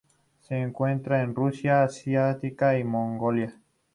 Se encuentra en Rusia asiática y Mongolia.